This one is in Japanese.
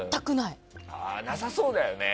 なさそうだよね。